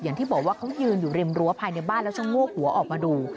อย่างที่บอกว่าเขายืนอยู่ริมรั้วภายในบ้านแล้วชะโงกหัวออกมาดู